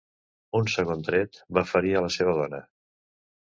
Un segon tret va ferir a la seva dona.